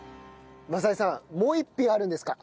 政江さんもう一品あるんですか？